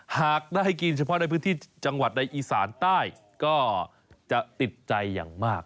หากได้กินเฉพาะในพื้นที่จังหวัดในอีสานใต้ก็จะติดใจอย่างมาก